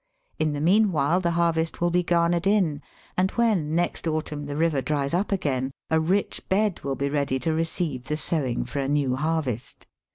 In the meanwhile the harvest wiU be garnered in, and when next autumn the river dries up again, a rich bed will be ready to receive the sowing for a new harvest.